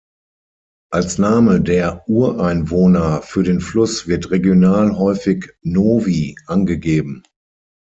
Als Name der Ureinwohner für den Fluss wird regional häufig „Novi“ angegeben.